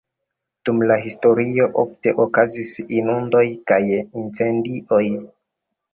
Dum la historio ofte okazis inundoj kaj incendioj.